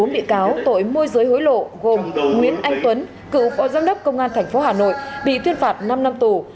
bốn bị cáo tội môi giới hối lộ gồm nguyễn anh tuấn cựu phó giám đốc công an tp hà nội bị tuyên phạt năm năm tù